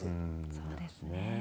そうですね。